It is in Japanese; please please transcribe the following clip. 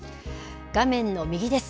画面の右です。